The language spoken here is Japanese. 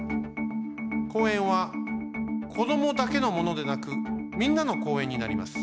公園はこどもだけのものでなくみんなの公園になります。